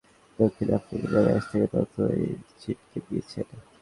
এরপর থেকে সময় যতই গড়িয়েছে, দক্ষিণ আফ্রিকাকে ম্যাচ থেকে ততই ছিটকে দিয়েছেন।